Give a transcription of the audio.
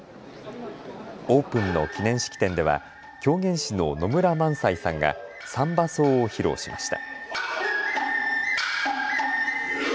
オープンの記念式典では狂言師の野村萬斎さんが三番叟を披露しました。